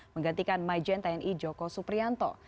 menggantikan majen tni joko suprianto